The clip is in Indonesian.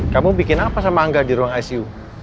kamu bikin apa sama angga di ruang icu